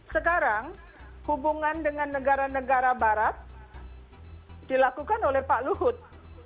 sekarang hubungan dengan negara negara barat dilakukan oleh pak luhut